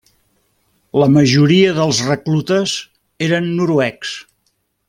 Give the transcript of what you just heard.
La majoria dels reclutes eren noruecs.